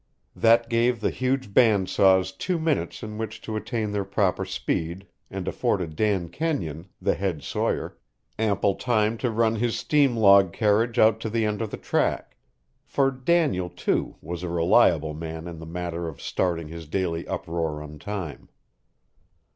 That gave the huge bandsaws two minutes in which to attain their proper speed and afforded Dan Kenyon, the head sawyer, ample time to run his steam log carriage out to the end of the track; for Daniel, too, was a reliable man in the matter of starting his daily uproar on time.